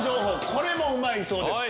これもうまいそうです。